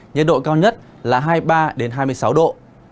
nhiệt độ cao nhất là hai mươi ba hai mươi sáu độ